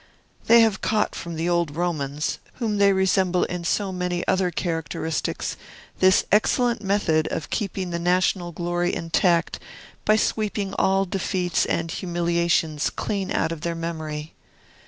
They have caught from the old Romans (whom they resemble in so many other characteristics) this excellent method of keeping the national glory intact by sweeping all defeats and humiliations clean out of their memory.